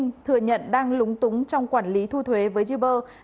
đại diện cục thuế tp hcm thừa nhận đang lúng túng trong quản lý thu thuế với uber